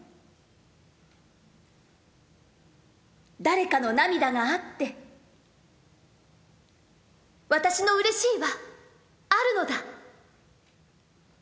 誰かの涙があって私のうれしいはあるのだ。